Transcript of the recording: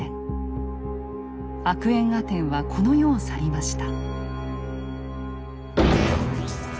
アクエンアテンはこの世を去りました。